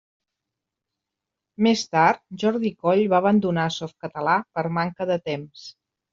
Més tard, Jordi Coll va abandonar Softcatalà per manca de temps.